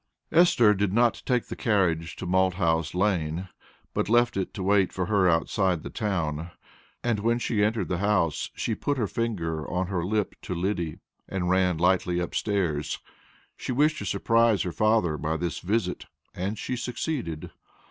Esther did not take the carriage into Malthouse Lane, but left it to wait for her outside the town; and when she entered the house she put her finger on her lip to Lyddy and ran lightly up stairs. She wished to surprise her father by this visit, and she succeeded.